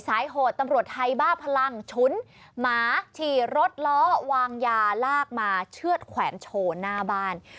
โหดตำรวจไทยบ้าพลังฉุนหมาฉี่รถล้อวางยาลากมาเชื่อดแขวนโชว์หน้าบ้าน